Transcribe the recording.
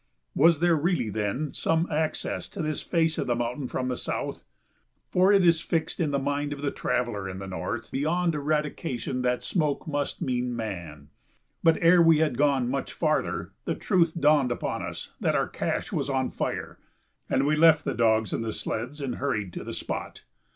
Was there really, then, some access to this face of the mountain from the south? For it is fixed in the mind of the traveller in the north beyond eradication that smoke must mean man. But ere we had gone much farther the truth dawned upon us that our cache was on fire, and we left the dogs and the sleds and hurried to the spot.